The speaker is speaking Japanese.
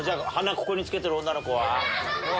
ここに着けてる女の子は？